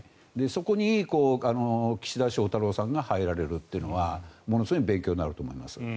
そこに岸田翔太郎さんが入られるというのはものすごい勉強になると思います。